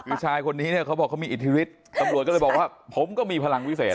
คือชายคนนี้เนี่ยเขาบอกเขามีอิทธิฤทธิ์ตำรวจก็เลยบอกว่าผมก็มีพลังวิเศษ